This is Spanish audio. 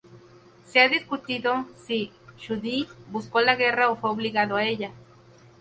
Se ha discutido si Zhu Di buscó la guerra o fue obligado a ella.